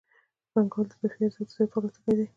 پانګوال د اضافي ارزښت د زیاتوالي تږی دی